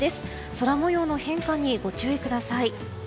空模様の変化にご注意ください。